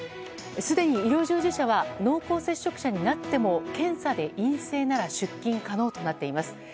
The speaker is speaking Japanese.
すでに医療従事者は濃厚接触者になっても検査で陰性なら出勤可能となっています。